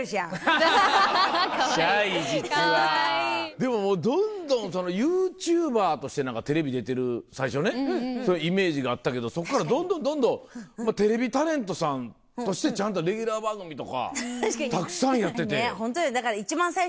でもどんどんＹｏｕＴｕｂｅｒとしてテレビ出てる最初ねそういうイメージがあったけどそっからどんどんどんどんテレビタレントさんとしてちゃんとレギュラー番組とかたくさんやってて。